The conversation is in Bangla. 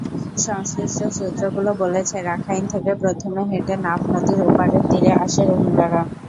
সংশ্লিষ্ট সূত্রগুলো বলেছে, রাখাইন থেকে প্রথমে হেঁটে নাফ নদীর ওপারের তীরে আসে রোহিঙ্গারা।